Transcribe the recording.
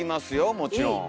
もちろん。